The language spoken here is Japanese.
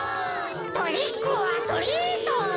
トリックオアトリート！